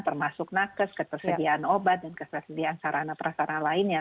termasuk nakes ketersediaan obat dan ketersediaan sarana prasara lainnya